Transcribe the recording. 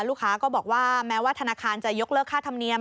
ลูกค้าก็บอกว่าแม้ว่าธนาคารจะยกเลิกค่าธรรมเนียม